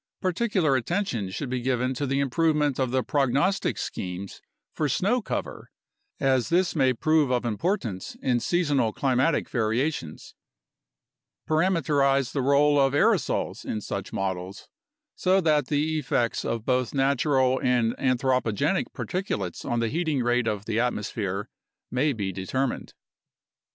Particular attention should be given to the improvement of the prognostic schemes for snow cover, as this may prove of importance in seasonal climatic variations. Parameterize the role of aerosols in such models, so that the effects 82 UNDERSTANDING CLIMATIC CHANGE of both natural and anthropogenic particulates on the heating rate of the atmosphere may be determined.